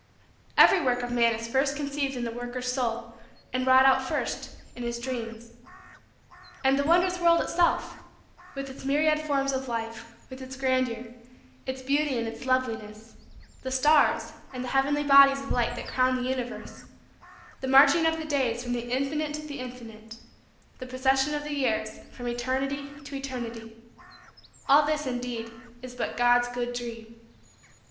Every work of man is first conceived in the worker's soul and wrought out first in his dreams. And the wondrous world itself, with its myriad forms of life, with its grandeur, its beauty and its loveliness; the stars and the heavenly bodies of light that crown the universe; the marching of the days from the Infinite to the Infinite; the procession of the years from Eternity to Eternity; all this, indeed, is but God's good dream.